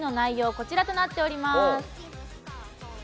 こちらとなっております。